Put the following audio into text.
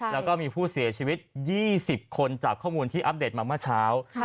แล้วก็มีผู้เสียชีวิต๒๐คนจากข้อมูลที่อัปเดตมาเมื่อเช้า